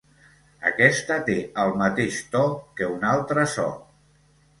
Aquesta té el mateix to que un altre so.